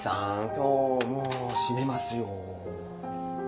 今日もう閉めますよ。